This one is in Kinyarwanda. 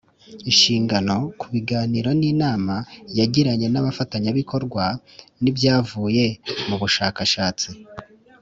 Ishingiye ku biganiro n inama yagiranye n abafatanyabikorwa n ibyavuye mu bushakashatsi